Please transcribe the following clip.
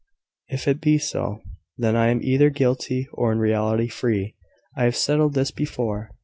If it be so, then I am either guilty, or in reality free. I have settled this before.